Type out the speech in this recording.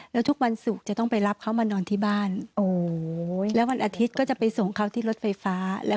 แล้วทุกวันศุกร์จะต้องไปรับเขามานอนที่บ้านโอ้โหแล้ววันอาทิตย์ก็จะไปส่งเขาที่รถไฟฟ้า